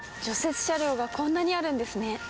雪車両がこんなにあるんですね。